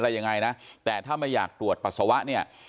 อะไรยังไงนะแต่ถ้าไม่อยากตรวจปัสสาวะเนี่ย